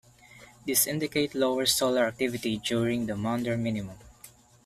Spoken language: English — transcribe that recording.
These indicate lower solar activity during the Maunder Minimum.